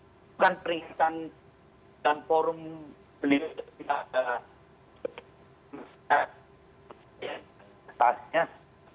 bukan peringatan dan forum penelitian